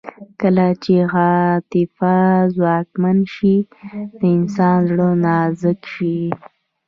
کله چې عاطفه ځواکمنه شي د انسان زړه نازک شي